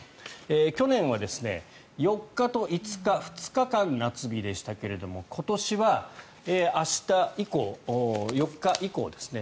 去年は４日と５日２日間、夏日でしたけれども今年は明日以降、４日以降ですね。